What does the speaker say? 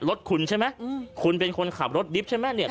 รถใช่ไหมอืมคุณเป็นคนขับรถใช่ไหมเนี้ย